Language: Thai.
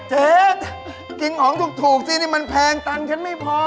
เจ๊กินของถูกสินี่มันแพงตันฉันไม่พอ